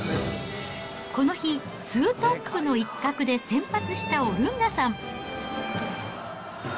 この日、ツートップの一角で先発したオルンガさん。